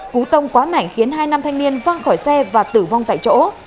cú tông quá mạnh khiến hai nam thanh niên văng khỏi xe và tử vong tại chỗ